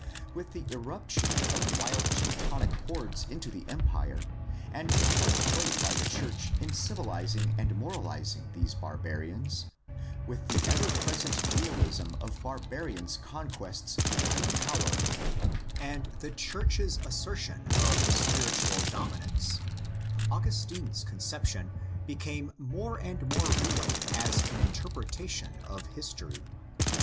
With the irruption of wild Teutonic hordes into the Empire and the part played by the church in civilizing and moralizing these barbarians, with 346 GUIDE TO STUDY OF CHRISTIAN RELIGION the ever present dualism of barbarians' conquests by power and the church's assertion of spiritual dominance, Augustine's conception became more and more real as an interpretation of history.